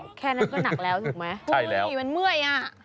แค่นั้นก็หนักแล้วถูกไหมมันเมื่อยอ่ะ